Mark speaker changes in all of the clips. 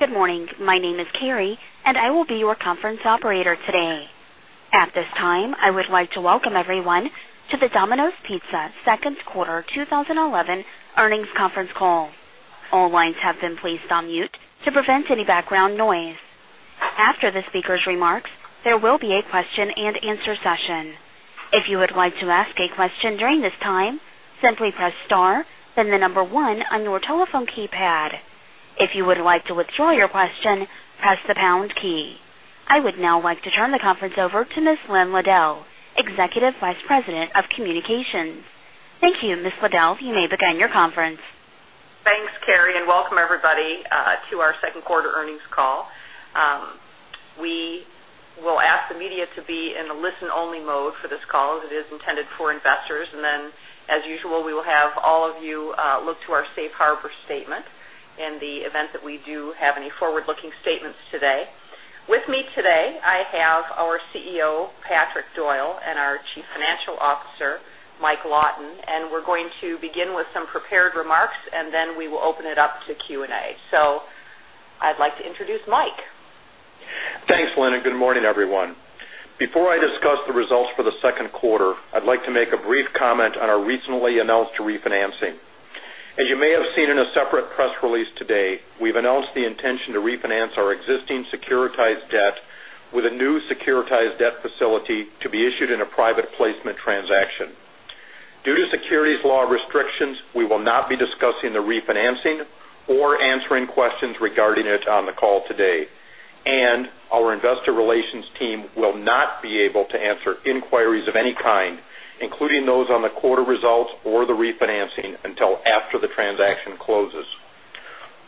Speaker 1: Good morning. My name is Carrie, and I will be your conference operator today. At this time, I would like to welcome everyone to the Domino's Pizza Second Quarter 2011 Earnings Conference Call. All lines have been placed on mute to prevent any background noise. After the speaker's remarks, there will be a question-and-answer session. If you would like to ask a question during this time, simply press star and the number one on your telephone keypad. If you would like to withdraw your question, press the pound key. I would now like to turn the conference over to Ms. Lynn Liddell, Executive Vice President of Communications. Thank you, Ms. Liddell. You may begin your conference.
Speaker 2: Thanks, Carrie, and welcome everybody to our second quarter earnings call. We ask the media to be in a listen-only mode for this call as it is intended for investors. As usual, we will have all of you look to our safe harbor statement in the event that we do have any forward-looking statements today. With me today, I have our CEO, Patrick Doyle, and our Chief Financial Officer, Mike Lawton. We're going to begin with some prepared remarks, then we will open it up to Q&A. I'd like to introduce Mike.
Speaker 3: Thanks, Lynn, and good morning, everyone. Before I discuss the results for the second quarter, I'd like to make a brief comment on our recently announced refinancing. As you may have seen in a separate press release today, we've announced the intention to refinance our existing securitized debt with a new securitized debt facility to be issued in a private placement transaction. Due to securities law restrictions, we will not be discussing the refinancing or answering questions regarding it on the call today. Our investor relations team will not be able to answer inquiries of any kind, including those on the quarter results or the refinancing, until after the transaction closes.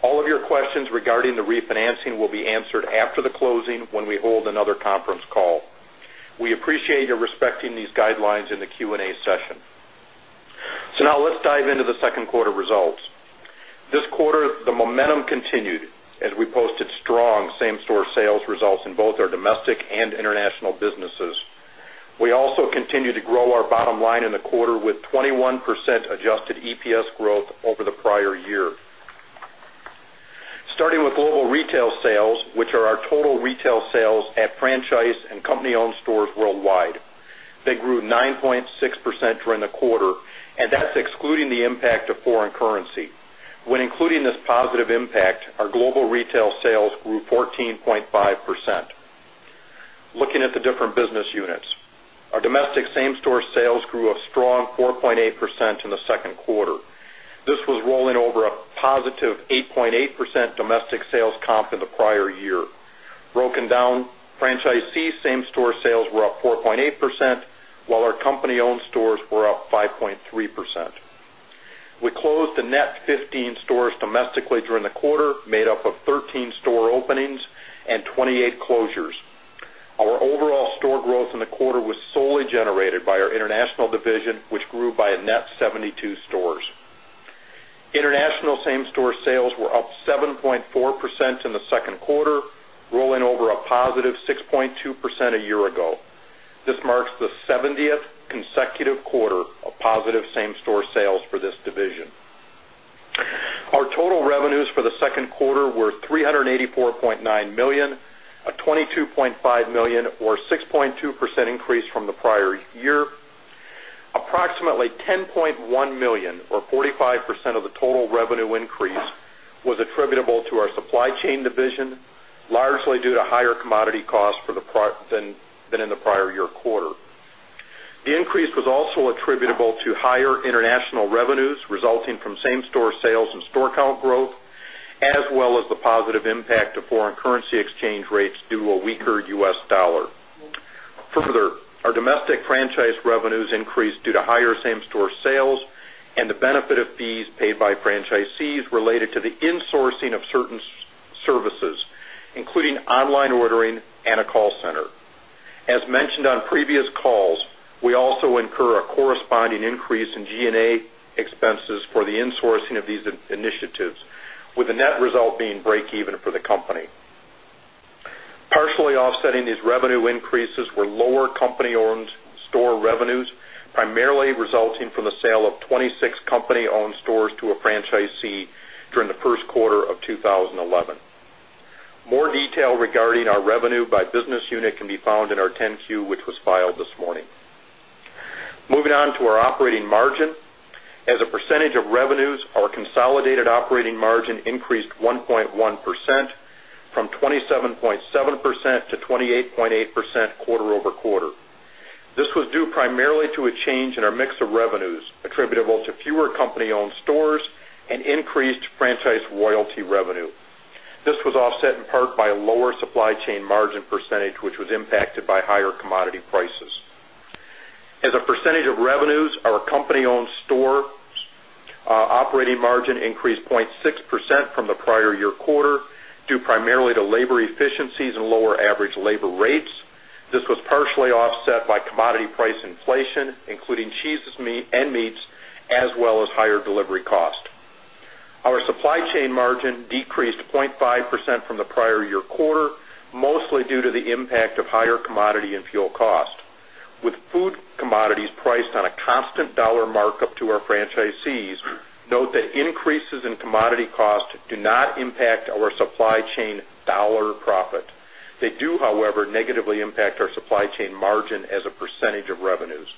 Speaker 3: All of your questions regarding the refinancing will be answered after the closing when we hold another conference call. We appreciate your respecting these guidelines in the Q&A session. Now let's dive into the second quarter results. This quarter, the momentum continued as we posted strong same-store sales results in both our domestic and international businesses. We also continue to grow our bottom line in the quarter with 21% adjusted EPS growth over the prior year. Starting with global retail sales, which are our total retail sales at franchise and company-owned stores worldwide, they grew 9.6% during the quarter, and that's excluding the impact of foreign currency. When including this positive impact, our global retail sales grew 14.5%. Looking at the different business units, our domestic same-store sales grew a strong 4.8% in the second quarter. This was rolling over a +8.8% domestic sales comp in the prior year. Broken down, franchisee same-store sales were up 4.8%, while our company-owned stores were up 5.3%. We closed a net 15 stores domestically during the quarter, made up of 13 store openings and 28 closures. Our overall store growth in the quarter was solely generated by our international division, which grew by a net 72 stores. International same-store sales were up 7.4% in the second quarter, rolling over a +6.2% a year ago. This marks the 70th consecutive quarter of positive same-store sales for this division. Our total revenues for the second quarter were $384.9 million, a $22.5 million or 6.2% increase from the prior year. Approximately $10.1 million or 45% of the total revenue increase was attributable to our supply chain division, largely due to higher commodity costs than in the prior year quarter. The increase was also attributable to higher international revenues resulting from same-store sales and store count growth, as well as the positive impact of foreign currency exchange rates due to a weaker U.S. dollar. Further, our domestic franchise revenues increased due to higher same-store sales and the benefit of fees paid by franchisees related to the insourcing of certain services, including online ordering and a call center. As mentioned on previous calls, we also incur a corresponding increase in G&A expenses for the insourcing of these initiatives, with the net result being breakeven for the company. Partially offsetting these revenue increases were lower company-owned store revenues, primarily resulting from the sale of 26 company-owned stores to a franchisee during the first quarter of 2011. More detail regarding our revenue by business unit can be found in our 10-Q, which was filed this morning. Moving on to our operating margin, as a percentage of revenues, our consolidated operating margin increased 1.1% from 27.7% to 28.8% quarter-over-quarter. This was due primarily to a change in our mix of revenues attributable to fewer company-owned stores and increased franchise royalty revenue. This was offset in part by a lower supply chain margin percentage, which was impacted by higher commodity prices. As a percentage of revenues, our company-owned store operating margin increased 0.6% from the prior year quarter, due primarily to labor efficiencies and lower average labor rates. This was partially offset by commodity price inflation, including cheese and meats, as well as higher delivery costs. Our supply chain margin decreased 0.5% from the prior year quarter, mostly due to the impact of higher commodity and fuel costs. With food commodities priced on a constant dollar markup to our franchisees, note that increases in commodity costs do not impact our supply chain dollar profit. They do, however, negatively impact our supply chain margin as a percentage of revenues.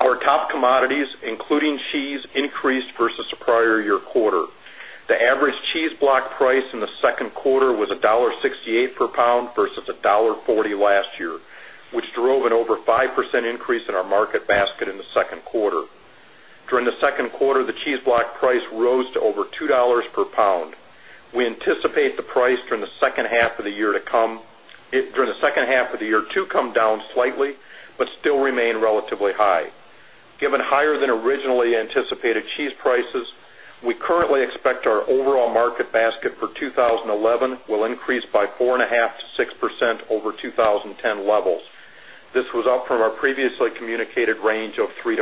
Speaker 3: Our top commodities, including cheese, increased versus the prior year quarter. The average cheese block price in the second quarter was $1.68 per pound versus $1.40 last year, which drove an over 5% increase in our market basket in the second quarter. During the second quarter, the cheese block price rose to over $2 per pound. We anticipate the price during the second half of the year to come down slightly, but still remain relatively high. Given higher than originally anticipated cheese prices, we currently expect our overall market basket for 2011 will increase by 4.5%-6% over 2010 levels. This was up from our previously communicated range of 3%-5%.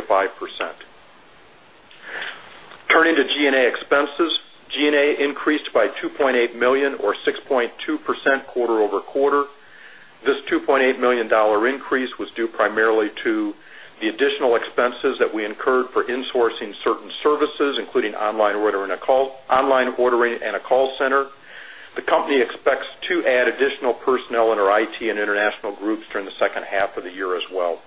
Speaker 3: Turning to G&A expenses, G&A increased by $2.8 million or 6.2% quarter-over-quarter. This $2.8 million increase was due primarily to the additional expenses that we incurred for insourcing certain services, including online ordering and a call center. The company expects to add additional personnel in our IT and international groups during the second half of the year as well.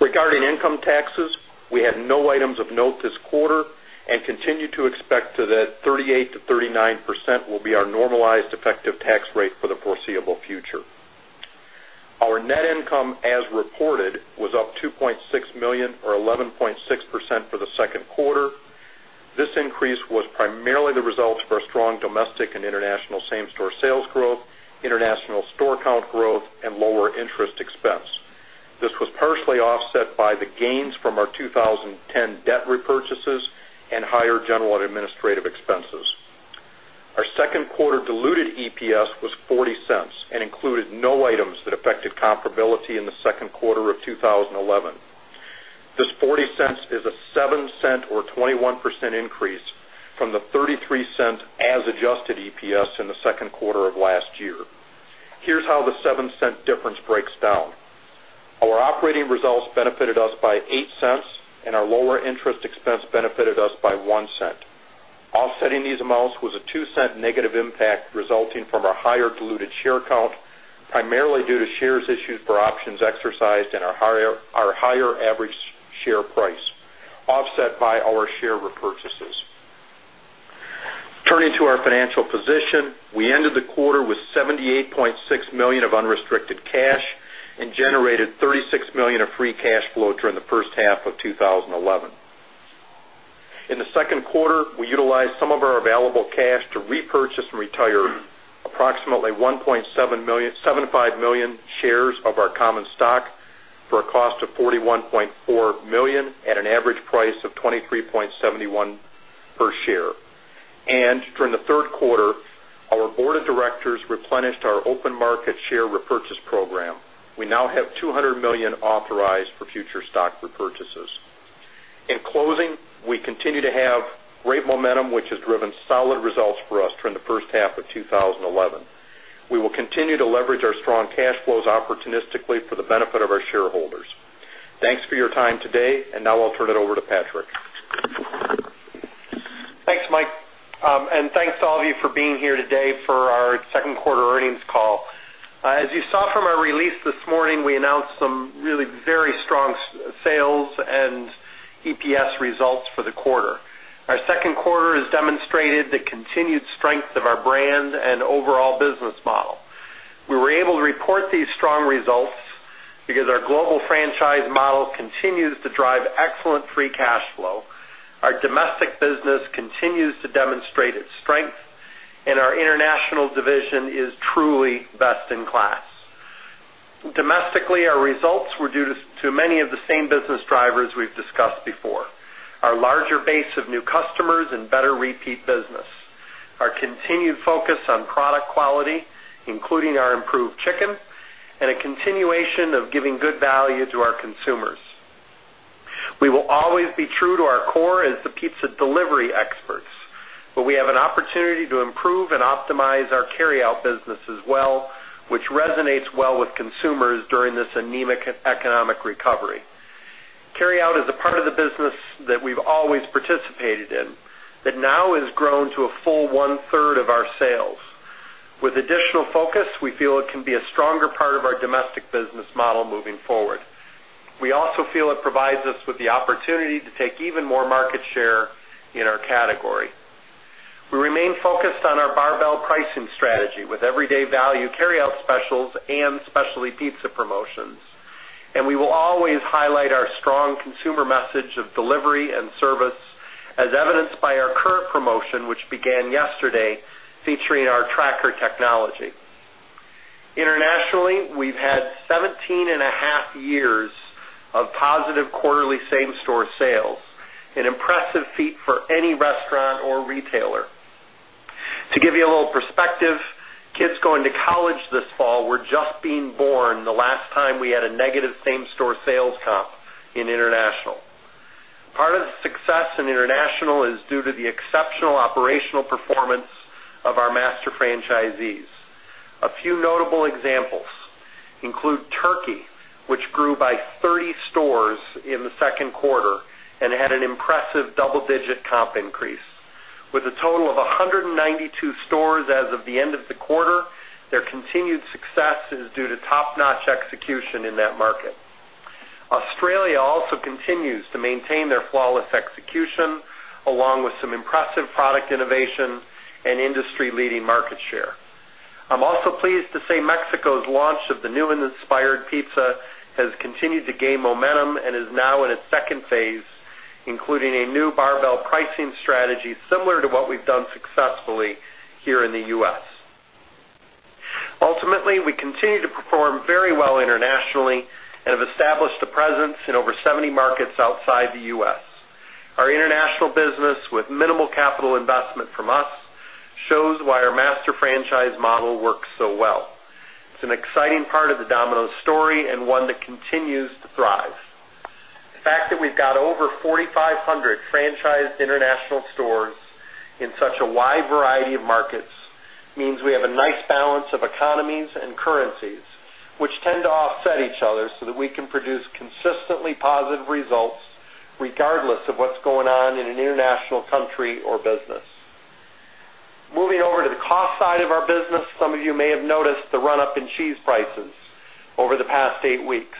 Speaker 3: Regarding income taxes, we had no items of note this quarter and continue to expect that 38%-39% will be our normalized effective tax rate for the foreseeable future. Our net income, as reported, was up $2.6 million or 11.6% for the second quarter. This increase was primarily the result of our strong domestic and international same-store sales growth, international store count growth, and lower interest expense. This was partially offset by the gains from our 2010 debt repurchases and higher general administrative expenses. Our second quarter diluted EPS was $0.40 and included no items that affected comparability in the second quarter of 2011. This $0.40 is a $0.07 or 21% increase from the $0.33 as adjusted EPS in the second quarter of last year. Here's how the $0.07 difference breaks down. Our operating results benefited us by $0.08, and our lower interest expense benefited us by $0.01. Offsetting these amounts was a $0.02 negative impact resulting from our higher diluted share count, primarily due to shares issued for options exercised in our higher average share price, offset by our share repurchases. Turning to our financial position, we ended the quarter with $78.6 million of unrestricted cash and generated $36 million of free cash flow during the first half of 2011. In the second quarter, we utilized some of our available cash to repurchase and retire approximately 1.75 million shares of our common stock for a cost of $41.4 million at an average price of $23.71 per share. During the third quarter, our board of directors replenished our open market share repurchase program. We now have $200 million authorized for future stock repurchases. In closing, we continue to have great momentum, which has driven solid results for us during the first half of 2011. We will continue to leverage our strong cash flows opportunistically for the benefit of our shareholders. Thanks for your time today, and now I'll turn it over to Patrick.
Speaker 4: Thanks, Mike, and thanks to all of you for being here today for our second quarter earnings call. As you saw from our release this morning, we announced some really very strong sales and EPS results for the quarter. Our second quarter has demonstrated the continued strength of our brand and overall business model. We were able to report these strong results because our global franchise model continues to drive excellent free cash flow. Our domestic business continues to demonstrate its strength, and our international division is truly best in class. Domestically, our results were due to many of the same business drivers we've discussed before: our larger base of new customers and better repeat business, our continued focus on product quality, including our improved chicken, and a continuation of giving good value to our consumers. We will always be true to our core as the pizza delivery experts, but we have an opportunity to improve and optimize our carryout business as well, which resonates well with consumers during this anemic economic recovery. Carryout is a part of the business that we've always participated in that now has grown to a full 1/3 of our sales. With additional focus, we feel it can be a stronger part of our domestic business model moving forward. We also feel it provides us with the opportunity to take even more market share in our category. We remain focused on our barbell pricing strategy with everyday value carryout specials and specialty pizza promotions. We will always highlight our strong consumer message of delivery and service, as evidenced by our current promotion, which began yesterday, featuring our tracker technology. Internationally, we've had 17.5 years of positive quarterly same-store sales, an impressive feat for any restaurant or retailer. To give you a little perspective, kids going to college this fall were just being born the last time we had a negative same-store sales comp in international. Part of the success in international is due to the exceptional operational performance of our master franchisees. A few notable examples include Turkey, which grew by 30 stores in the second quarter and had an impressive double-digit comp increase. With a total of 192 stores as of the end of the quarter, their continued success is due to top-notch execution in that market. Australia also continues to maintain their flawless execution, along with some impressive product innovation and industry-leading market share. I'm also pleased to say Mexico's launch of the new and inspired pizza has continued to gain momentum and is now in its second phase, including a new barbell pricing strategy similar to what we've done successfully here in the U.S. Ultimately, we continue to perform very well internationally and have established a presence in over 70 markets outside the U.S. Our international business, with minimal capital investment from us, shows why our master franchise model works so well. It's an exciting part of the Domino's story and one that continues to thrive. The fact that we've got over 4,500 franchised international stores in such a wide variety of markets means we have a nice balance of economies and currencies, which tend to offset each other so that we can produce consistently positive results regardless of what's going on in an international country or business. Moving over to the cost side of our business, some of you may have noticed the run-up in cheese prices over the past eight weeks.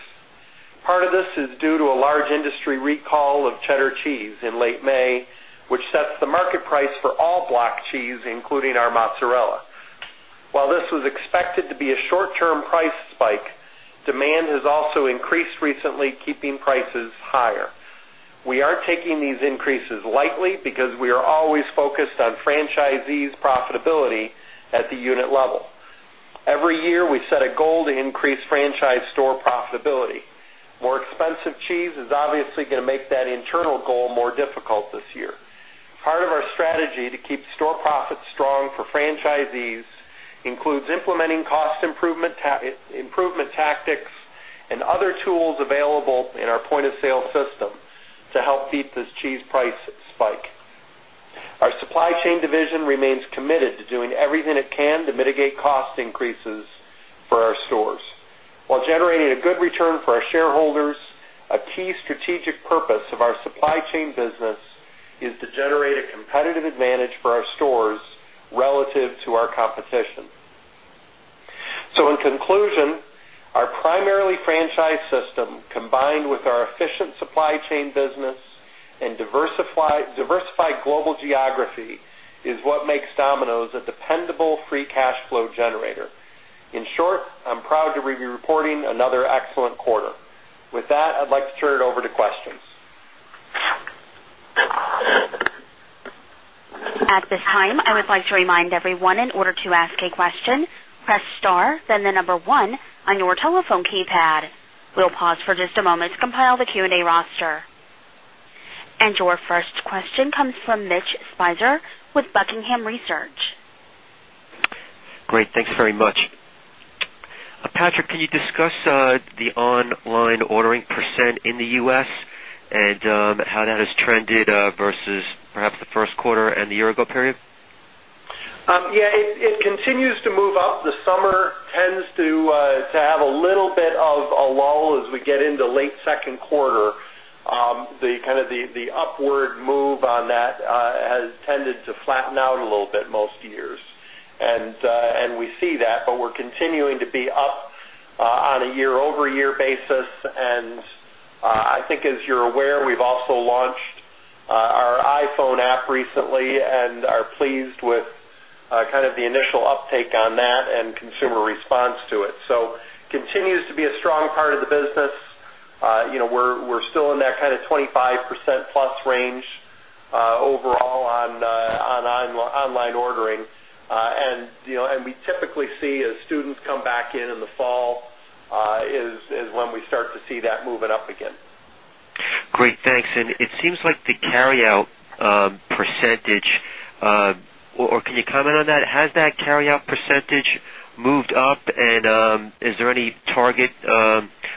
Speaker 4: Part of this is due to a large industry recall of cheddar cheese in late May, which sets the market price for all block cheese, including our mozzarella. While this was expected to be a short-term price spike, demand has also increased recently, keeping prices higher. We are taking these increases lightly because we are always focused on franchisees' profitability at the unit level. Every year, we set a goal to increase franchise store profitability. More expensive cheese is obviously going to make that internal goal more difficult this year. Part of our strategy to keep store profits strong for franchisees includes implementing cost improvement tactics and other tools available in our point-of-sale system to help keep this cheese price spike. Our supply chain division remains committed to doing everything it can to mitigate cost increases for our stores. While generating a good return for our shareholders, a key strategic purpose of our supply chain business is to generate a competitive advantage for our stores relative to our competition. In conclusion, our primarily franchised system, combined with our efficient supply chain business and diversified global geography, is what makes Domino's a dependable free cash flow generator. In short, I'm proud to be reporting another excellent quarter. With that, I'd like to turn it over to questions.
Speaker 1: At this time, I would like to remind everyone, in order to ask a question, press star, then the number one on your telephone keypad. We'll pause for just a moment to compile the Q&A roster. Your first question comes from Mitch Spicer with Buckingham Research.
Speaker 5: Great, thanks very much. Patrick, can you discuss the online ordering percent in the U.S. and how that has trended versus perhaps the first quarter and the year ago period?
Speaker 4: Yeah, it continues to move up. The summer tends to have a little bit of a lull as we get into late second quarter. The kind of the upward move on that has tended to flatten out a little bit most years, we see that, but we're continuing to be up on a year-over-year basis. I think, as you're aware, we've also launched our iPhone app recently and are pleased with kind of the initial uptake on that and consumer response to it. It continues to be a strong part of the business. We're still in that kind of 25%+ range overall on online ordering. We typically see, as students come back in in the fall, is when we start to see that moving up again.
Speaker 5: Great, thanks. It seems like the carryout percentage, or can you comment on that? Has that carryout percentage moved up, and is there any target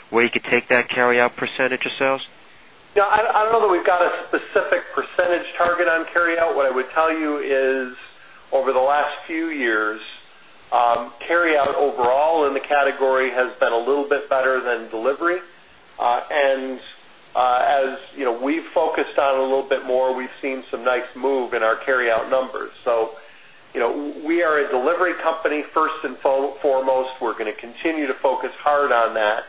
Speaker 5: where you could take that carryout percentage of sales?
Speaker 4: No, I don't know that we've got a specific percentage target on carryout. What I would tell you is, over the last few years, carryout overall in the category has been a little bit better than delivery. As we've focused on a little bit more, we've seen some nice move in our carryout numbers. You know, we are a delivery company first and foremost. We're going to continue to focus hard on that.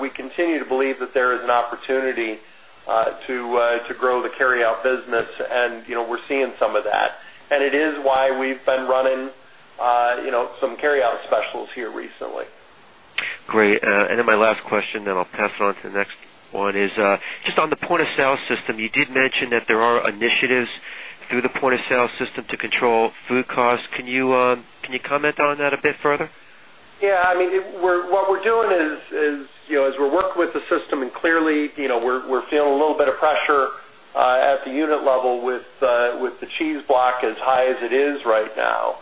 Speaker 4: We continue to believe that there is an opportunity to grow the carryout business, and you know, we're seeing some of that. It is why we've been running some carryout specials here recently.
Speaker 5: Great. My last question, then I'll pass it on to the next one, is just on the point-of-sale system. You did mention that there are initiatives through the point-of-sale system to control food costs. Can you comment on that a bit further?
Speaker 4: Yeah, I mean, what we're doing is, as we're working with the system, and clearly, we're feeling a little bit of pressure at the unit level with the cheese block as high as it is right now.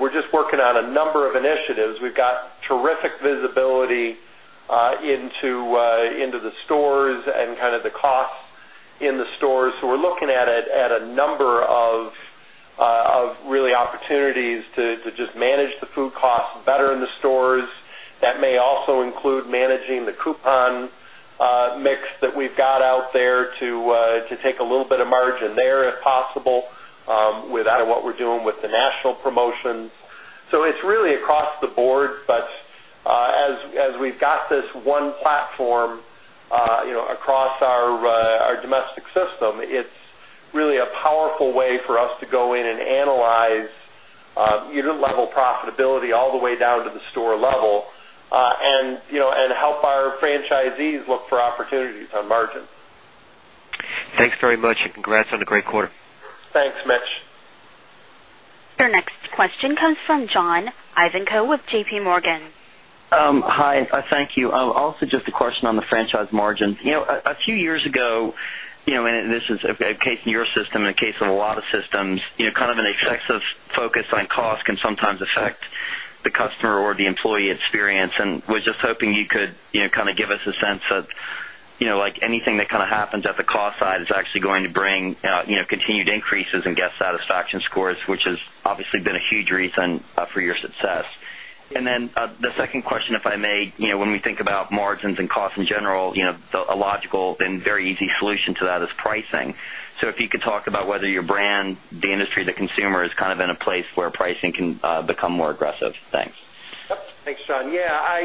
Speaker 4: We're just working on a number of initiatives. We've got terrific visibility into the stores and kind of the costs in the stores. We're looking at a number of really opportunities to just manage the food costs better in the stores. That may also include managing the coupon mix that we've got out there to take a little bit of margin there, if possible, with kind of what we're doing with the national promotions. It's really across the board. As we've got this one platform across our domestic system, it's really a powerful way for us to go in and analyze unit-level profitability all the way down to the store level and help our franchisees look for opportunities on margins.
Speaker 5: Thanks very much, and congrats on a great quarter.
Speaker 4: Thanks, Mitch.
Speaker 1: Our next question comes from John Ivankoe with JP Morgan.
Speaker 6: Hi, thank you. Also, just a question on the franchise margins. A few years ago, and this is a case in your system and a case in a lot of systems, kind of an excessive focus on cost can sometimes affect the customer or the employee experience. We're just hoping you could kind of give us a sense that anything that happens at the cost side is actually going to bring continued increases in guest satisfaction scores, which has obviously been a huge reason for your success. The second question, if I may, when we think about margins and costs in general, a logical and very easy solution to that is pricing. If you could talk about whether your brand, the industry, the consumer is kind of in a place where pricing can become more aggressive. Thanks.
Speaker 4: Yep, thanks, John. Yeah,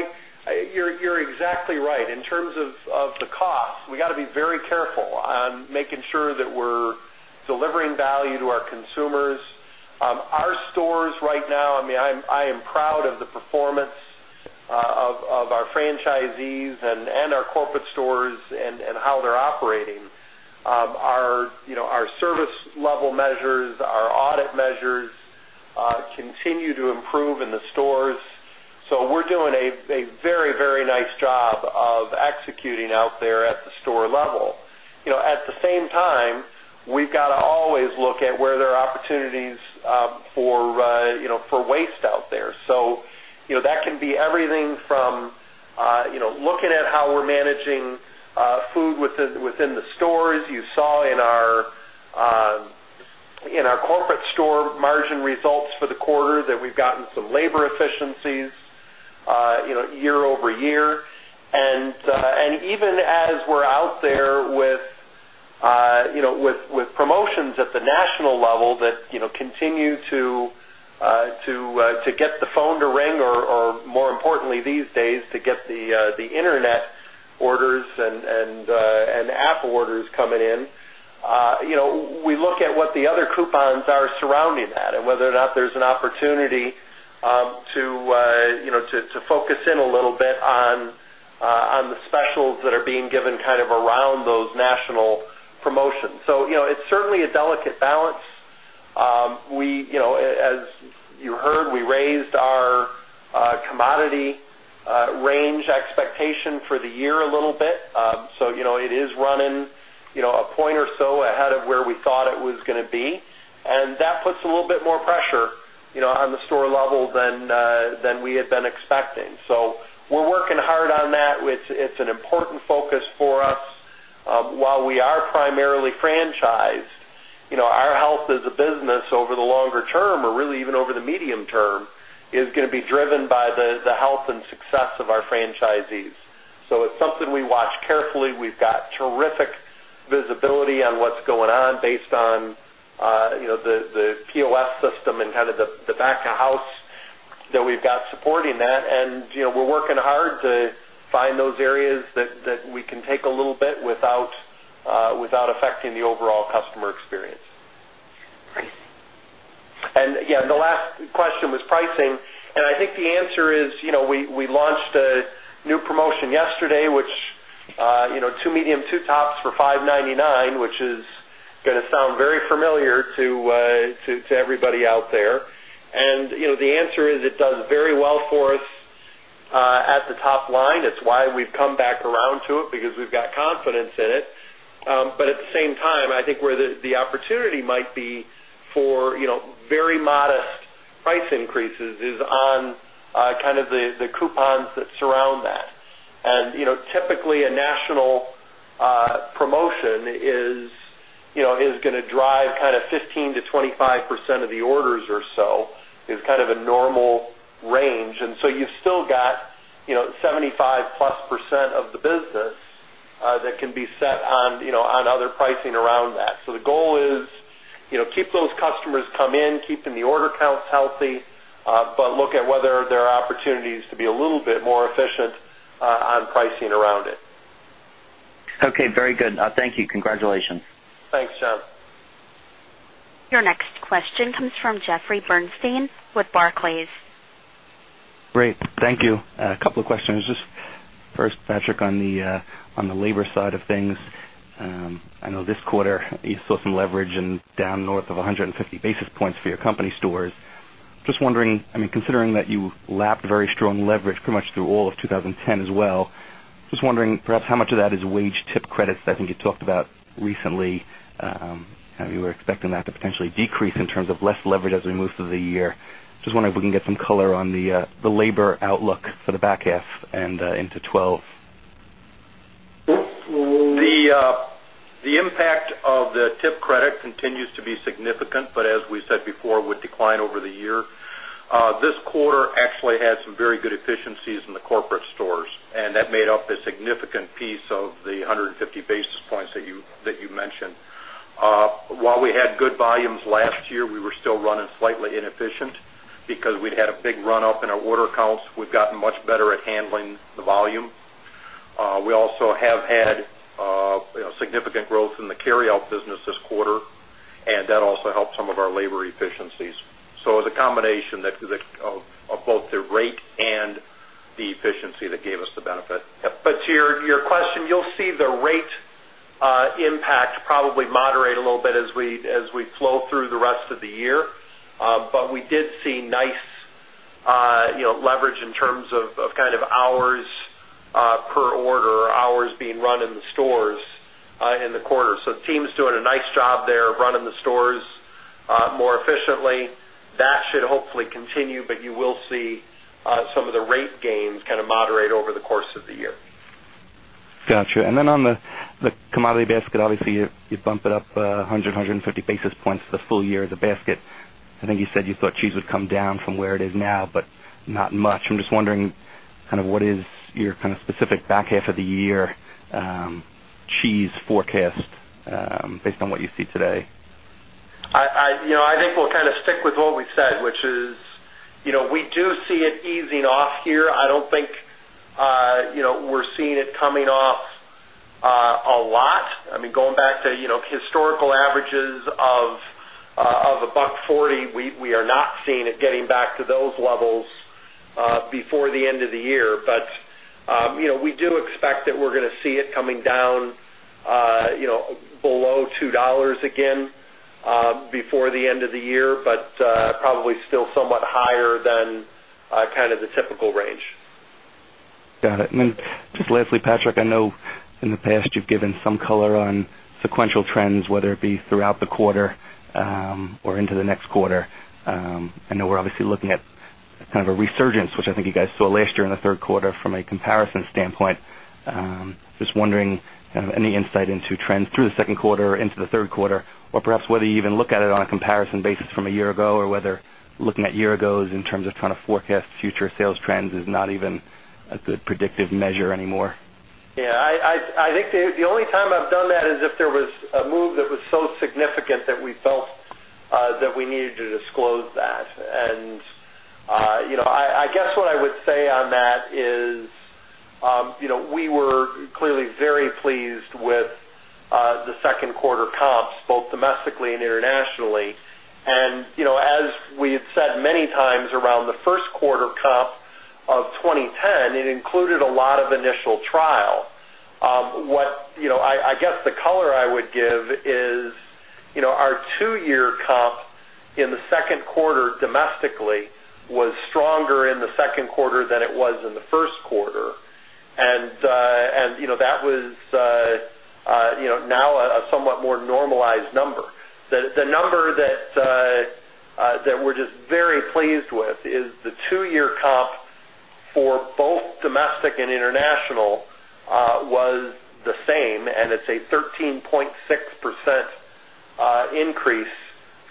Speaker 4: you're exactly right. In terms of the cost, we got to be very careful on making sure that we're delivering value to our consumers. Our stores right now, I am proud of the performance of our franchisees and our corporate stores and how they're operating. Our service level measures, our audit measures continue to improve in the stores. We're doing a very, very nice job of executing out there at the store level. At the same time, we've got to always look at where there are opportunities for waste out there. That can be everything from looking at how we're managing food within the stores. You saw in our corporate store margin results for the quarter that we've gotten some labor efficiencies year-over-year. Even as we're out there with promotions at the national level that continue to get the phone to ring, or more importantly these days, to get the internet orders and app orders coming in, we look at what the other coupons are surrounding that and whether or not there's an opportunity to focus in a little bit on the specials that are being given kind of around those national promotions. It's certainly a delicate balance. As you heard, we raised our commodity range expectation for the year a little bit. It is running a point or so ahead of where we thought it was going to be. That puts a little bit more pressure on the store level than we had been expecting. We're working hard on that. It's an important focus for us. While we are primarily franchised, our health as a business over the longer term, or really even over the medium term, is going to be driven by the health and success of our franchisees. It's something we watch carefully. We've got terrific visibility on what's going on based on the point-of-sale system and kind of the back-of-house that we've got supporting that. We're working hard to find those areas that we can take a little bit without affecting the overall customer experience.
Speaker 6: Pricing.
Speaker 4: The last question was pricing. I think the answer is, we launched a new promotion yesterday, which, you know, two medium, two tops for $5.99, which is going to sound very familiar to everybody out there. The answer is it does very well for us at the top line. It's why we've come back around to it, because we've got confidence in it. At the same time, I think where the opportunity might be for very modest price increases is on kind of the coupons that surround that. Typically a national promotion is going to drive kind of 15%-25% of the orders or so. It's kind of a normal range. You've still got 75%+ of the business that can be set on other pricing around that. The goal is, keep those customers coming in, keeping the order counts healthy, but look at whether there are opportunities to be a little bit more efficient on pricing around it.
Speaker 6: Okay, very good. Thank you. Congratulations.
Speaker 4: Thanks, John.
Speaker 1: Your next question comes from Jeffrey Bernstein with Barclays.
Speaker 7: Great, thank you. A couple of questions. Just first, Patrick, on the labor side of things. I know this quarter you saw some leverage and down north of 150 basis points for your company stores. Just wondering, I mean, considering that you lapped very strong leverage pretty much through all of 2010 as well, just wondering perhaps how much of that is wage tip credits? I think you talked about recently you were expecting that to potentially decrease in terms of less leverage as we move through the year. Just wondering if we can get some color on the labor outlook for the back half and into 2012.
Speaker 4: The impact of the tip credit continues to be significant, but as we said before, would decline over the year. This quarter actually had some very good efficiencies in the corporate stores, and that made up a significant piece of the 150 basis points that you mentioned. While we had good volumes last year, we were still running slightly inefficient because we'd had a big run-up in our order counts. We've gotten much better at handling the volume. We also have had significant growth in the carryout business this quarter, and that also helped some of our labor efficiencies. It was a combination of both the rate and the efficiency that gave us the benefit. To your question, you'll see the rate impact probably moderate a little bit as we flow through the rest of the year. We did see nice leverage in terms of kind of hours per order, hours being run in the stores in the quarter. The team's doing a nice job there of running the stores more efficiently. That should hopefully continue, but you will see some of the rate gains kind of moderate over the course of the year.
Speaker 7: Gotcha. On the commodity basket, obviously you bump it up 100 basis points, 150 basis points for the full year of the basket. I think you said you thought cheese would come down from where it is now, but not much. I'm just wondering what is your specific back half of the year cheese forecast based on what you see today?
Speaker 4: I think we'll kind of stick with what we said, which is, we do see it easing off here. I don't think we're seeing it coming off a lot. Going back to historical averages of $1.40, we are not seeing it getting back to those levels before the end of the year. We do expect that we're going to see it coming down below $2 again before the end of the year, but probably still somewhat higher than the typical range.
Speaker 7: Got it. Lastly, Patrick, I know in the past you've given some color on sequential trends, whether it be throughout the quarter or into the next quarter. I know we're obviously looking at kind of a resurgence, which I think you guys saw last year in the third quarter from a comparison standpoint. Just wondering, any insight into trends through the second quarter into the third quarter, or perhaps whether you even look at it on a comparison basis from a year ago or whether looking at year ago in terms of trying to forecast future sales trends is not even a good predictive measure anymore.
Speaker 4: I think the only time I've done that is if there was a move that was so significant that we felt that we needed to disclose that. I guess what I would say on that is, we were clearly very pleased with the second quarter comps, both domestically and internationally. As we had said many times around the first quarter comp of 2010, it included a lot of initial trial. The color I would give is, our two-year comp in the second quarter domestically was stronger in the second quarter than it was in the first quarter. That was now a somewhat more normalized number. The number that we're just very pleased with is the two-year comp for both domestic and international was the same, and it's a 13.6% increase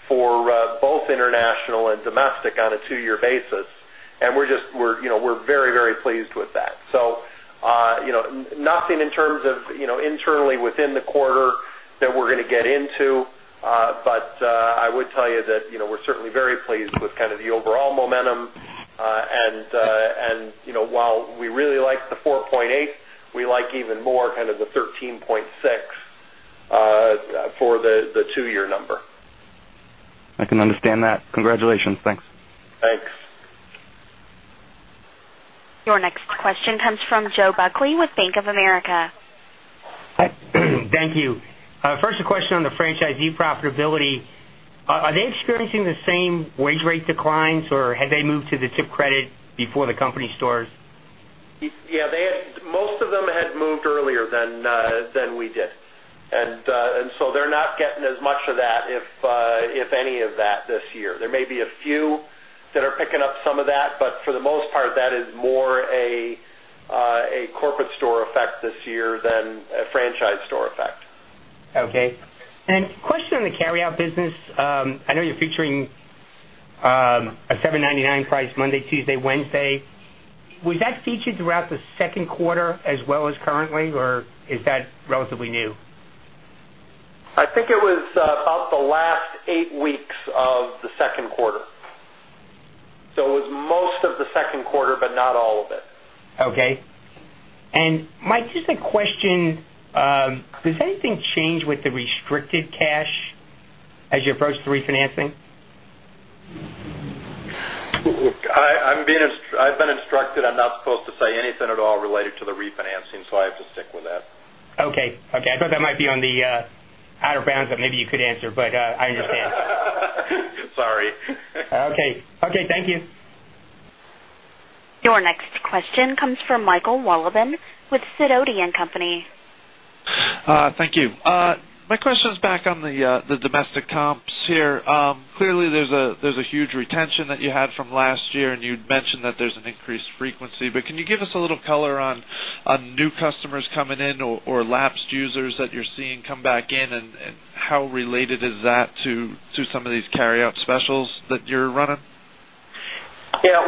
Speaker 4: for both international and domestic on a two-year basis. We're very, very pleased with that. Nothing in terms of internally within the quarter that we're going to get into. I would tell you that we're certainly very pleased with kind of the overall momentum. While we really like the 4.8%, we like even more kind of the 13.6% for the two-year number.
Speaker 7: I can understand that. Congratulations. Thanks.
Speaker 4: Thanks.
Speaker 1: Your next question comes from Joe Buckley with Bank of America.
Speaker 8: Thank you. First, a question on the franchisee profitability. Are they experiencing the same wage rate declines, or had they moved to the tip credit before the company stores?
Speaker 4: Most of them had moved earlier than we did, so they're not getting as much of that, if any of that, this year. There may be a few that are picking up some of that, but for the most part, that is more a corporate store effect this year than a franchise store effect.
Speaker 8: Okay. Question on the carryout business. I know you're featuring a $7.99 price Monday, Tuesday, Wednesday. Was that featured throughout the second quarter as well as currently, or is that relatively new?
Speaker 4: I think it was about the last eight weeks of the second quarter. It was most of the second quarter, but not all of it.
Speaker 8: Okay. Mike, just a question. Does anything change with the restricted cash as you approach the refinancing?
Speaker 3: I've been instructed I'm not supposed to say anything at all related to the refinancing, so I have to stick with that.
Speaker 8: Okay. I thought that might be on the outer bounds of maybe you could answer, but I understand.
Speaker 3: Sorry.
Speaker 8: Okay. Thank you.
Speaker 1: Your next question comes from Michal Weloven with Serodian Company. Thank you. My question is back on the domestic comps here. Clearly, there's a huge retention that you had from last year, and you'd mentioned that there's an increased frequency. Can you give us a little color on new customers coming in or lapsed users that you're seeing come back in, and how related is that to some of these carryout specials that you're running?
Speaker 4: Yeah,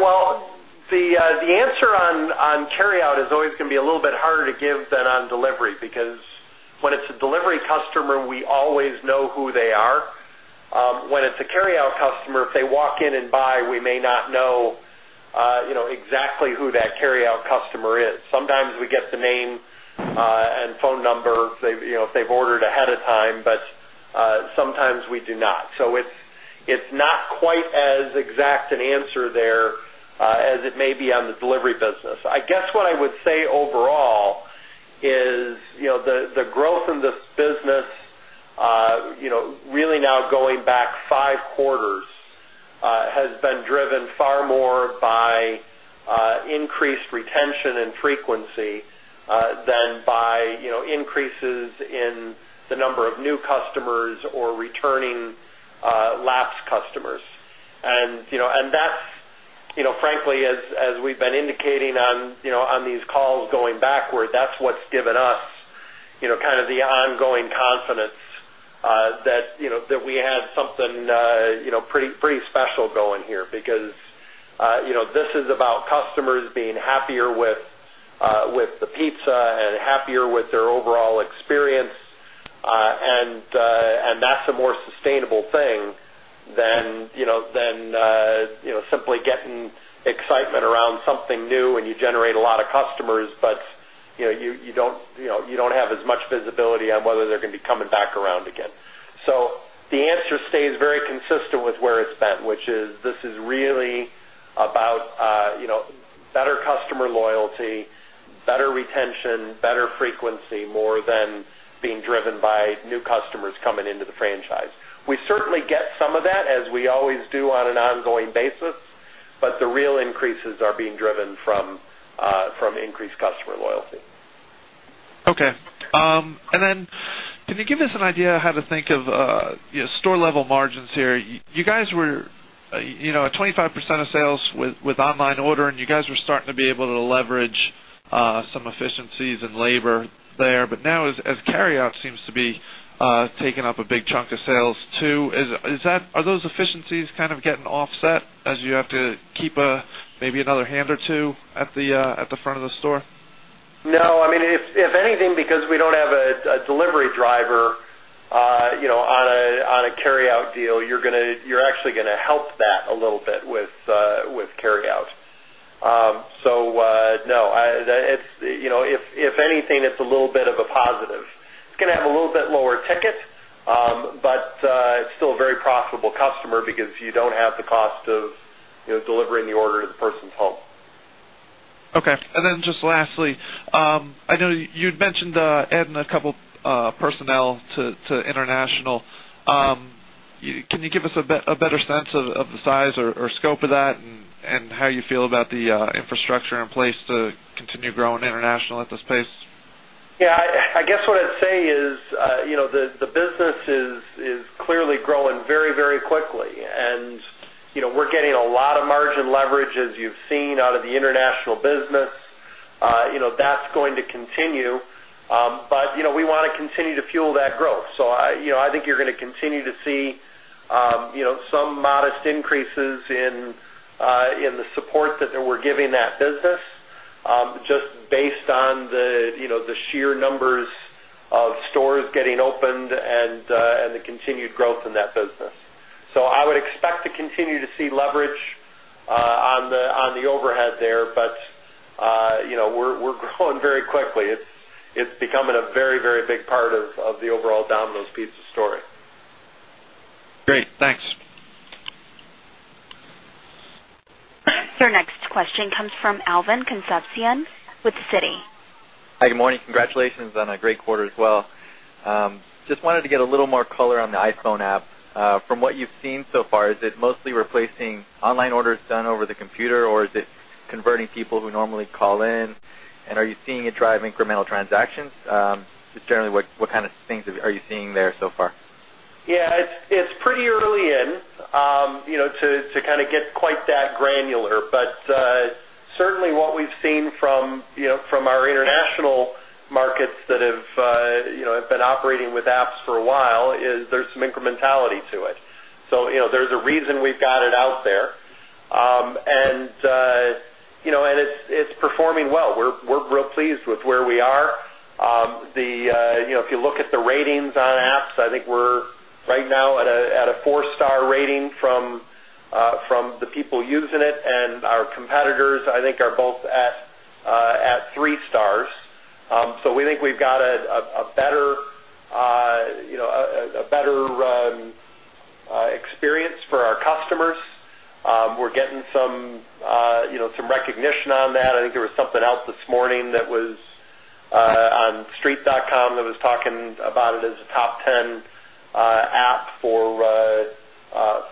Speaker 4: the answer on carryout is always going to be a little bit harder to give than on delivery because when it's a delivery customer, we always know who they are. When it's a carryout customer, if they walk in and buy, we may not know exactly who that carryout customer is. Sometimes we get the name and phone number if they've ordered ahead of time, but sometimes we do not. It's not quite as exact an answer there as it may be on the delivery business. I guess what I would say overall is the growth in this business, really now going back five quarters, has been driven far more by increased retention and frequency than by increases in the number of new customers or returning last customers. That's, frankly, as we've been indicating on these calls going backward, what's given us kind of the ongoing confidence that we have something pretty special going here because this is about customers being happier with the pizza and happier with their overall experience. That's a more sustainable thing than simply getting excitement around something new when you generate a lot of customers, but you don't have as much visibility on whether they're going to be coming back around again. The answer stays very consistent with where it's been, which is this is really about better customer loyalty, better retention, better frequency, more than being driven by new customers coming into the franchise. We certainly get some of that, as we always do on an ongoing basis, but the real increases are being driven from increased customer loyalty. Okay. Can you give us an idea of how to think of store-level margins here? You guys were at 25% of sales with online ordering, you guys were starting to be able to leverage some efficiencies in labor there. Now, as carryout seems to be taking up a big chunk of sales too, are those efficiencies kind of getting offset as you have to keep maybe another hand or two at the front of the store? No, I mean, if anything, because we don't have a delivery driver, you know, on a carryout deal, you're actually going to help that a little bit with carryout. No, you know, if anything, it's a little bit of a positive. It's going to have a little bit lower ticket, but it's still a very profitable customer because you don't have the cost of delivering the order to the person's home. Okay. Lastly, I know you'd mentioned adding a couple personnel to international. Can you give us a better sense of the size or scope of that and how you feel about the infrastructure in place to continue growing international at this pace? I guess what I'd say is, you know, the business is clearly growing very, very quickly. We're getting a lot of margin leverage, as you've seen, out of the international business. That's going to continue. We want to continue to fuel that growth. I think you're going to continue to see some modest increases in the support that we're giving that business just based on the sheer numbers of stores getting opened and the continued growth in that business. I would expect to continue to see leverage on the overhead there. We're growing very quickly. It's becoming a very, very big part of the overall Domino's Pizza story. Great, thanks.
Speaker 1: Your next question comes from Alvin Concepcion with Citi.
Speaker 9: Hi, good morning. Congratulations on a great quarter as well. Just wanted to get a little more color on the iPhone app. From what you've seen so far, is it mostly replacing online orders done over the computer, or is it converting people who normally call in? Are you seeing it drive incremental transactions? Just generally, what kind of things are you seeing there so far?
Speaker 4: Yeah, it's pretty early in to kind of get quite that granular. Certainly, what we've seen from our international markets that have been operating with apps for a while is there's some incrementality to it. There's a reason we've got it out there, and it's performing well. We're real pleased with where we are. If you look at the ratings on apps, I think we're right now at a four-star rating from the people using it, and our competitors, I think, are both at three stars. We think we've got a better experience for our customers. We're getting some recognition on that. I think there was something out this morning that was on Street.com that was talking about it as a top 10 app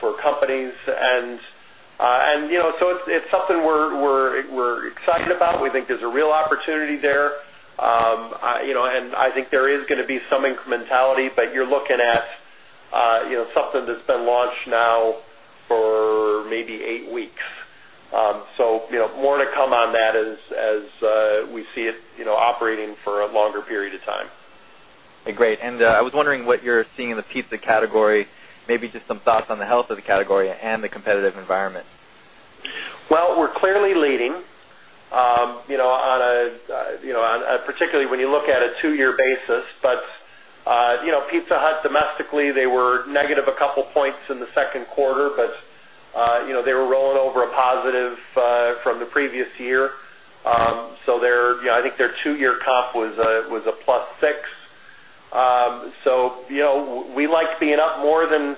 Speaker 4: for companies. It's something we're excited about. We think there's a real opportunity there. I think there is going to be some incrementality, but you're looking at something that's been launched now for maybe eight weeks. More to come on that as we see it operating for a longer period of time.
Speaker 9: Great. I was wondering what you're seeing in the pizza category, maybe just some thoughts on the health of the category and the competitive environment.
Speaker 4: We're clearly leading, particularly when you look at a two-year basis. Pizza Hut domestically was negative a couple points in the second quarter, but they were rolling over a positive from the previous year. I think their two-year comp was a +6%. We like being up more than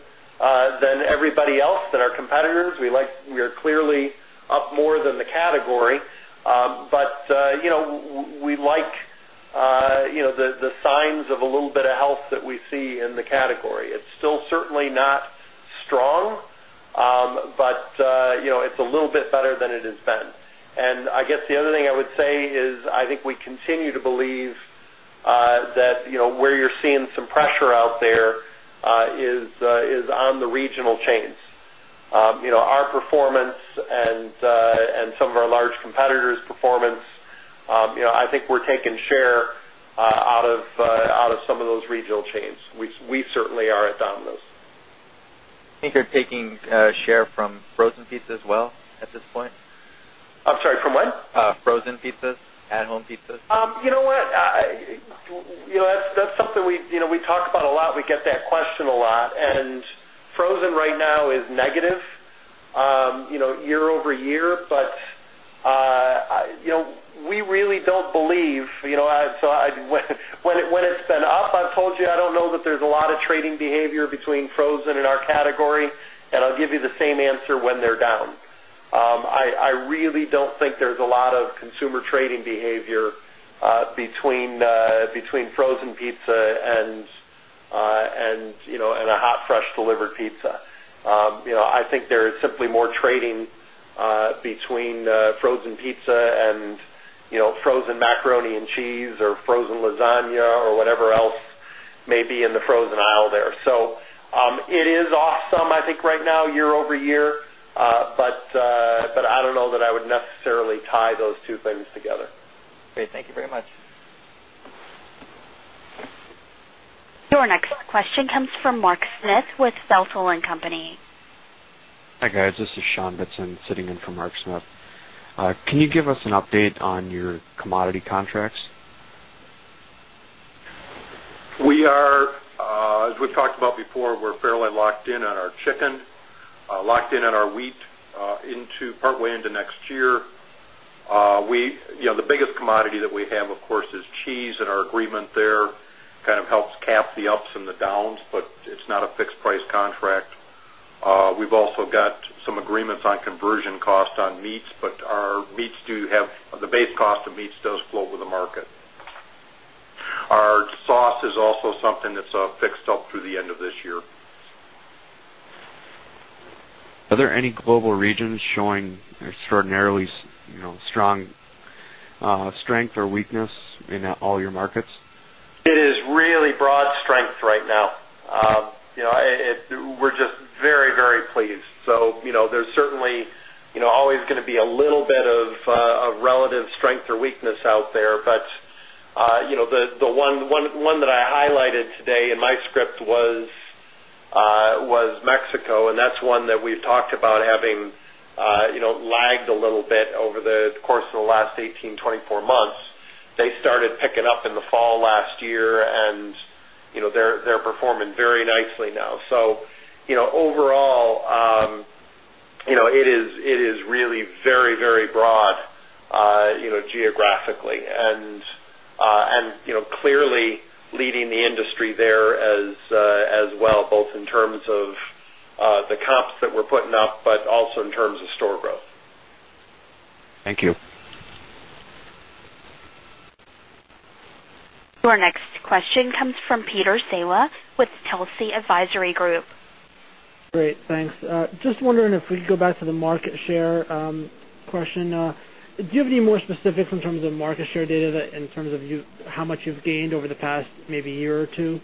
Speaker 4: everybody else, than our competitors. We are clearly up more than the category. We like the signs of a little bit of health that we see in the category. It's still certainly not strong, but it's a little bit better than it has been. I guess the other thing I would say is I think we continue to believe that where you're seeing some pressure out there is on the regional chains. Our performance and some of our large competitors' performance, I think we're taking share out of some of those regional chains. We certainly are at Domino's.
Speaker 9: I think they're taking share from frozen pizza as well at this point.
Speaker 4: I'm sorry, from what?
Speaker 9: Frozen pizza, at-home pizza.
Speaker 4: That's something we talk about a lot. We get that question a lot. Frozen right now is negative year-over-year. We really don't believe, when it's been up, I've told you I don't know that there's a lot of trading behavior between frozen and our category. I'll give you the same answer when they're down. I really don't think there's a lot of consumer trading behavior between frozen pizza and a hot fresh delivered pizza. I think there is simply more trading between frozen pizza and frozen macaroni and cheese or frozen lasagna or whatever else may be in the frozen aisle there. It is awesome, I think, right now year-over-year. I don't know that I would necessarily tie those two things together.
Speaker 9: Great, thank you very much.
Speaker 1: Your next question comes from Mark Smith with [South Owen Company]. Hi guys, this is [Sean Bitsen] sitting in for Mark Smith. Can you give us an update on your commodity contracts?
Speaker 4: We are, as we've talked about before, we're fairly locked in on our chicken, locked in on our wheat into partway into next year. The biggest commodity that we have, of course, is cheese, and our agreement there kind of helps cap the ups and the downs, but it's not a fixed price contract. We've also got some agreements on conversion cost on meats, but our meats do have the base cost of meats does flow with the market. Our sauce is also something that's fixed up through the end of this year. Are there any global regions showing extraordinarily strong strength or weakness in all your markets? It is really broad strength right now. We're just very, very pleased. There's certainly always going to be a little bit of relative strength or weakness out there. The one that I highlighted today in my script was Mexico, and that's one that we've talked about having lagged a little bit over the course of the last 18 months, 24 months. They started picking up in the fall last year, and they're performing very nicely now. Overall, it is really very, very broad geographically. Clearly leading the industry there as well, both in terms of the comps that we're putting up, but also in terms of store growth. Thank you.
Speaker 1: Your next question comes from Peter Saleh with Chelsea Advisory Group.
Speaker 10: Great, thanks. Just wondering if we could go back to the market share question. Do you have any more specifics in terms of market share data, in terms of how much you've gained over the past maybe year or two?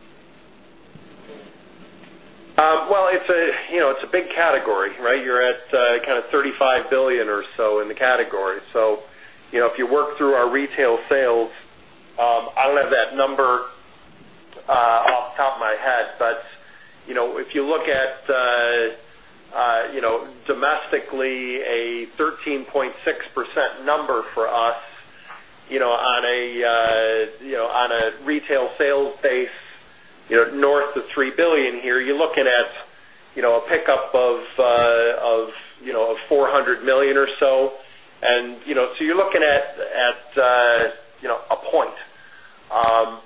Speaker 4: It's a big category, right? You're at kind of $35 billion or so in the category. If you work through our retail sales, I don't have that number off the top of my head. If you look at, domestically, a 13.6% number for us on a retail sales base north of $3 billion here, you're looking at a pickup of $400 million or so. You're looking at a point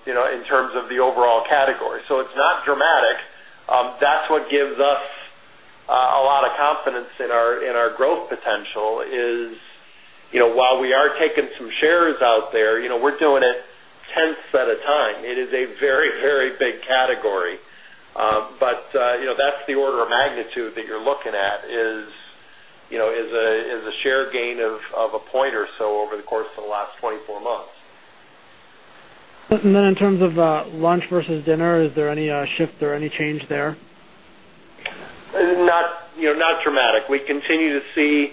Speaker 4: in terms of the overall category. It's not dramatic. That gives us a lot of confidence in our growth potential. While we are taking some shares out there, we're doing it tenths at a time. It is a very, very big category. That's the order of magnitude that you're looking at, a share gain of a point or so over the course of the last 24 months.
Speaker 10: In terms of lunch versus dinner, is there any shift or any change there?
Speaker 4: Not dramatic. We continue to see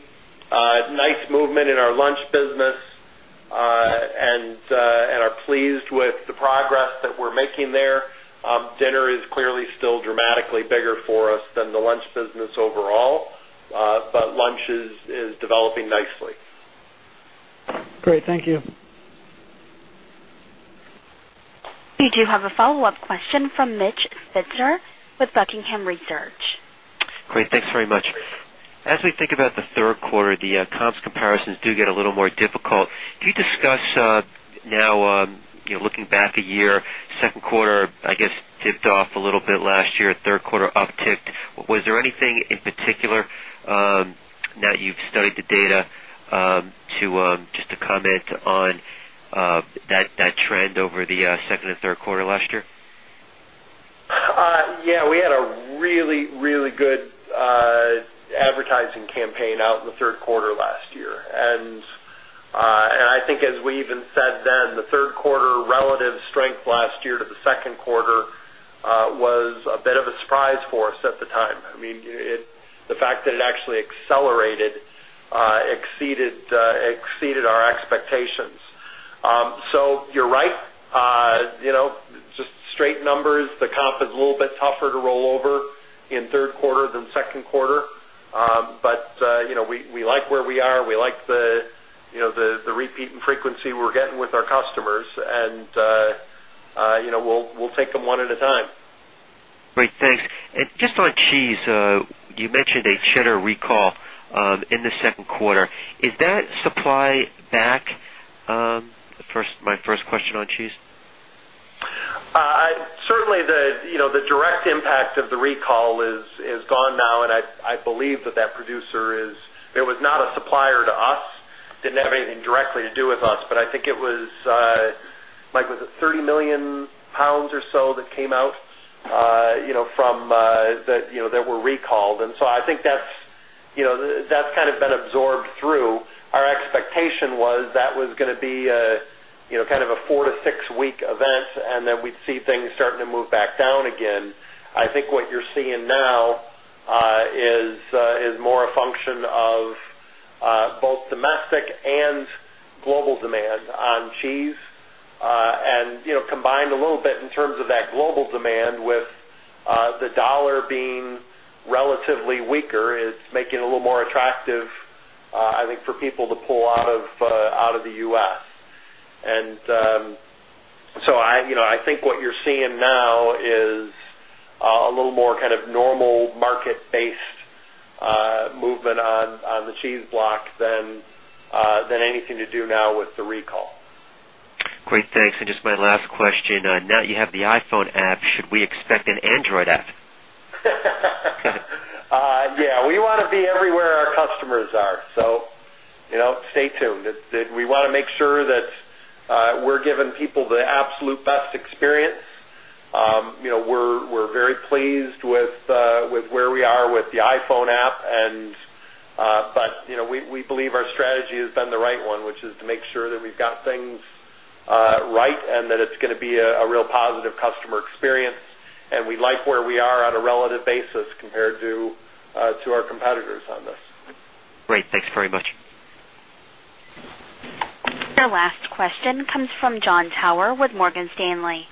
Speaker 4: nice movement in our lunch business and are pleased with the progress that we're making there. Dinner is clearly still dramatically bigger for us than the lunch business overall, but lunch is developing nicely.
Speaker 10: Great, thank you.
Speaker 1: We do have a follow-up question from Mitch Spicer with Buckingham Research.
Speaker 5: Great, thanks very much. As we think about the third quarter, the comps comparisons do get a little more difficult. Can you discuss now, you know, looking back a year, second quarter, I guess, dipped off a little bit last year, third quarter upticked. Was there anything in particular now that you've studied the data to just to comment on that trend over the second and third quarter last year?
Speaker 4: Yeah, we had a really, really good advertising campaign out in the third quarter last year. I think, as we even said then, the third quarter relative strength last year to the second quarter was a bit of a surprise for us at the time. The fact that it actually accelerated exceeded our expectations. You're right, just straight numbers, the comp is a little bit tougher to roll over in third quarter than second quarter. We like where we are. We like the repeat and frequency we're getting with our customers, and we'll take them one at a time.
Speaker 5: Great, thanks. Just on cheese, you mentioned a cheddar recall in the second quarter. Is that supply back? My first question on cheese.
Speaker 4: Certainly, the direct impact of the recall is gone now. I believe that that producer was not a supplier to us, didn't have anything directly to do with us, but I think it was, Mike, was it $30 million pounds or so that came out from that, that were recalled. I think that's kind of been absorbed through. Our expectation was that was going to be a 4 week-6 week event, and we'd see things starting to move back down again. I think what you're seeing now is more a function of both domestic and global demand on cheese. Combined a little bit in terms of that global demand with the dollar being relatively weaker, it's making it a little more attractive, I think, for people to pull out of the U.S. I think what you're seeing now is a little more kind of normal market-based movement on the cheese block than anything to do now with the recall.
Speaker 5: Great, thanks. Just my last question, now that you have the iPhone app, should we expect an Android app?
Speaker 4: We want to be everywhere our customers are. Stay tuned. We want to make sure that we're giving people the absolute best experience. We're very pleased with where we are with the iPhone app, and we believe our strategy has been the right one, which is to make sure that we've got things right and that it's going to be a real positive customer experience. We like where we are on a relative basis compared to our competitors on this.
Speaker 5: Great, thanks very much.
Speaker 1: The last question comes from Jon Tower with Morgan Stanley.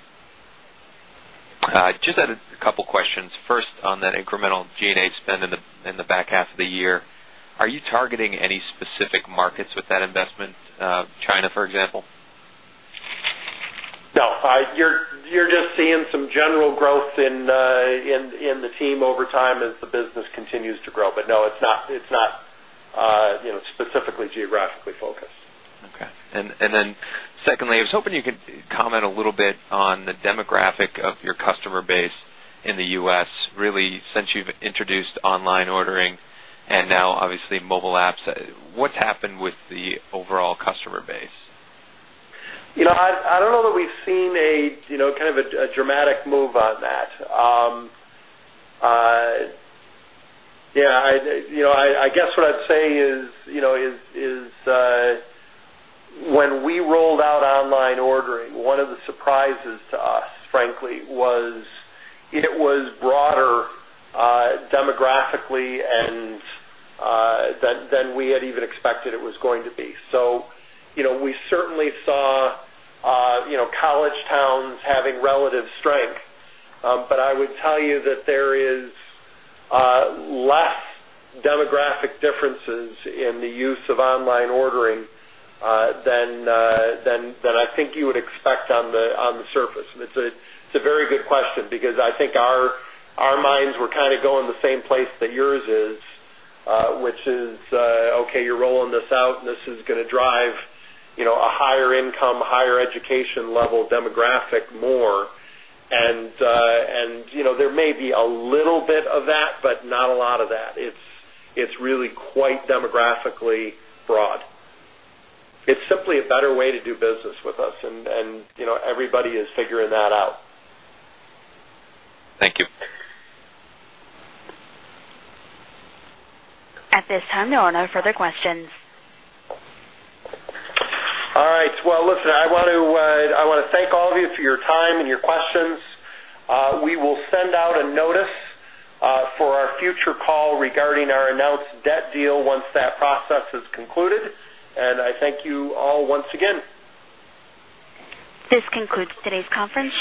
Speaker 11: I just had a couple of questions. First, on that incremental G&A spend in the back half of the year, are you targeting any specific markets with that investment, China, for example?
Speaker 4: No, you're just seeing some general growth in the team over time as the business continues to grow. No, it's not specifically geographically focused.
Speaker 11: Okay. I was hoping you could comment a little bit on the demographic of your customer base in the U.S., really, since you've introduced online ordering and now obviously mobile apps. What's happened with the overall customer base?
Speaker 4: I don't know that we've seen a kind of dramatic move on that. I guess what I'm saying is, when we rolled out online ordering, one of the surprises to us, frankly, was it was broader demographically than we had even expected it was going to be. We certainly saw college towns having relative strength. I would tell you that there are less demographic differences in the use of online ordering than I think you would expect on the surface. It's a very good question because I think our minds were kind of going the same place that yours is, which is, okay, you're rolling this out and this is going to drive a higher income, higher education level demographic more. There may be a little bit of that, but not a lot of that. It's really quite demographically broad. It's simply a better way to do business with us, and everybody is figuring that out.
Speaker 11: Thank you.
Speaker 1: At this time, there are no further questions.
Speaker 4: All right. I want to thank all of you for your time and your questions. We will send out a notice for our future call regarding our announced debt deal once that process is concluded. I thank you all once again.
Speaker 1: This concludes today's conference.